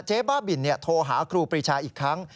บ้าบินโทรหาครูปรีชาอีกครั้ง